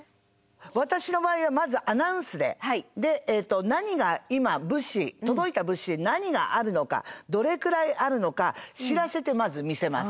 私の場合はまずアナウンスで何が今物資届いた物資何があるのかどれくらいあるのか知らせてまず見せます。